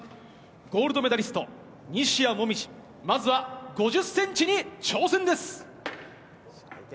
ゴールドメダリスト、西矢椛、まずは５０センチに挑戦です。